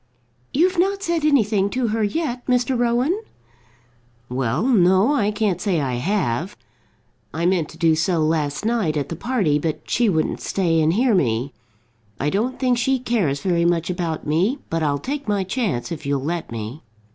"You've not said anything to her yet, Mr. Rowan?" "Well, no; I can't say I have. I meant to do so last night at the party, but she wouldn't stay and hear me. I don't think she cares very much about me, but I'll take my chance if you'll let me."